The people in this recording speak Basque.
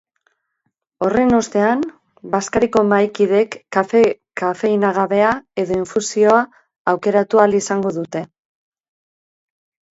Horren ostean, bazkariko mahaikideek kafe kafeinagabea edo infusioa aukeratu ahal izango dute.